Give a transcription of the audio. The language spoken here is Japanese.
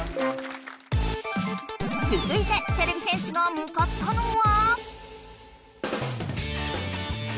つづいててれび戦士がむかったのは。